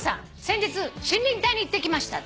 先日森林隊に行ってきました」